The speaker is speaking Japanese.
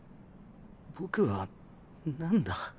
僕は何だ？